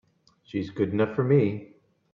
She's good enough for me!